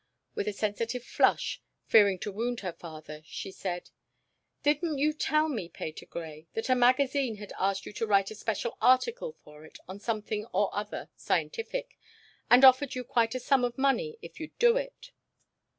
With a sensitive flush, fearing to wound her father, she said: "Didn't you tell me, Patergrey, that a magazine had asked you to write a special article for it on something or other scientific, and offered you quite a sum of money if you'd do it?"